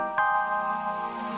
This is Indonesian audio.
kamu juga sama